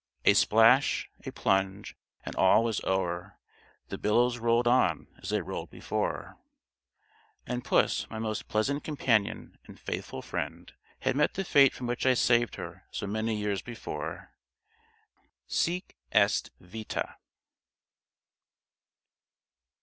"A splash, a plunge, and all was o'er, The billows rolled on as they rolled before;" and puss, my most pleasant companion and faithful friend, had met the fate from which I saved her so many years before. "_Sic est vita.